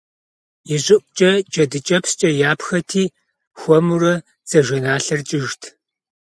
Ищӏыӏукӏэ джэдыкӏэпскӏэ япхэти, хуэмурэ дзажэналъэр кӏыжт.